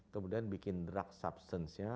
kemudian bikin drug substance nya